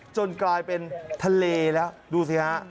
กลายเป็นทะเลแล้วดูสิฮะ